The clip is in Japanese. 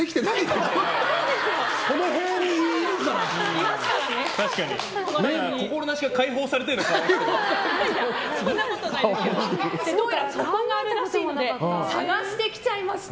どうやら底があるらしいので探してきちゃいました！